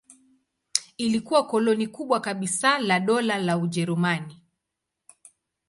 Ilikuwa koloni kubwa kabisa la Dola la Ujerumani.